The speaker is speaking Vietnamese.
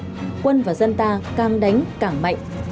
nhân dân và dân ta càng đánh càng mạnh